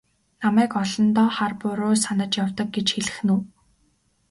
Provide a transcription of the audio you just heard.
Намайг олондоо хар буруу санаж явдаг гэж хэлэх нь үү?